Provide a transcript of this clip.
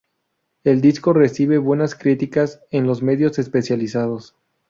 El disco recibe buenas críticas en los medios especializados.